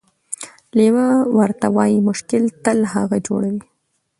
لیوه ورته وايي: مشکل تل هغه جوړوي،